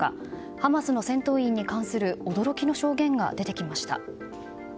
ハマスの戦闘員に関する驚きの証言が出てきました。